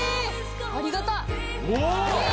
ありがた。